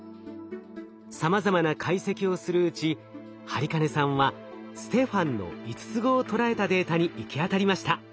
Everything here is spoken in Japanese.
さまざまな解析をするうち播金さんはステファンの５つ子を捉えたデータに行き当たりました。